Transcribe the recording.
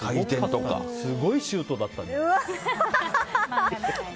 すごいシュートだったんだ。